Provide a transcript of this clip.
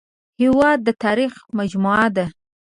هېواد د تاریخ مجموعه ده